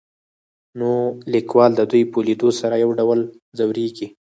نو ليکوال د دوي په ليدو سره يو ډول ځوريږي.